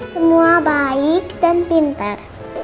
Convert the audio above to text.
semua baik dan pinter